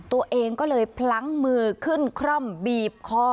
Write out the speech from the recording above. ตัวเองก็เลยพลั้งมือขึ้นคร่อมบีบคอ